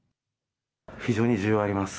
非常に需要あります。